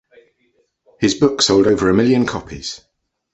His book sold over a million copies.